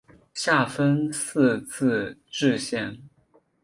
下分四自治市。